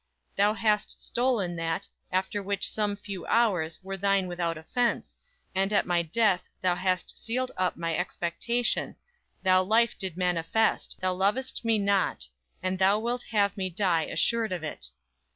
Thou hast stolen that, which after some few hours, Were thine without offense; and at my death, Thou hast sealed up my expectation; Thou life did manifest, thou lov'st me not, And thou wilt have me die assured of it.